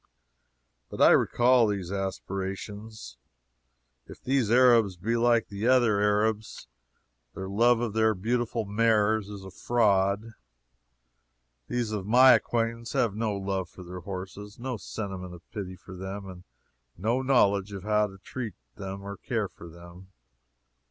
But I recall those aspirations. If these Arabs be like the other Arabs, their love for their beautiful mares is a fraud. These of my acquaintance have no love for their horses, no sentiment of pity for them, and no knowledge of how to treat them or care for them.